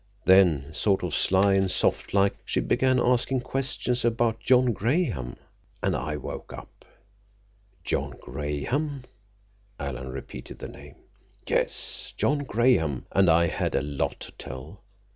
Then, sort of sly and soft like, she began asking questions about John Graham—and I woke up." "John Graham!" Alan repeated the name. "Yes, John Graham. And I had a lot to tell.